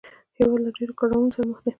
هېواد له ډېرو کړاوونو سره مخ دی